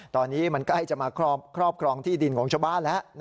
ตอนนี้มันใกล้จะมาครอบครองที่ดินของชาวบ้านแล้ว